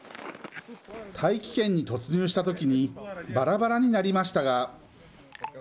大気圏に突入したときにばらばらになりましたが。